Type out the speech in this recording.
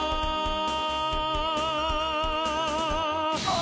あ！